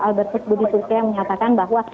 albertus budi tugkia yang menyatakan bahwa